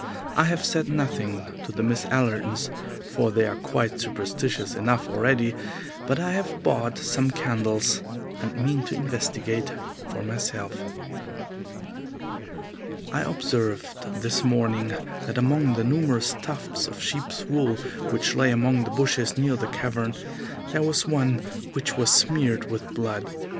I have said nothing to the Miss Allertons, for they are quite superstitious enough already, but I have bought some candles, and mean to investigate for myself. I observed this morning that among the numerous tufts of sheep's wool which lay among the bushes near the cavern there was one which was smeared with blood.